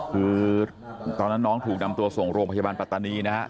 คือตอนนั้นน้องถูกนำตัวส่งโรงพยาบาลปัตตานีนะฮะ